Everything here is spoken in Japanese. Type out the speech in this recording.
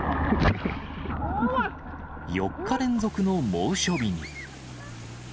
４日連続の猛暑日に。